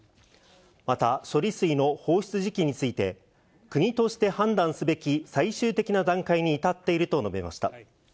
また処理水の放出時期について、国として判断すべき最終的な段階に至っていると述べました。